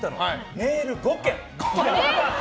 メール、５件。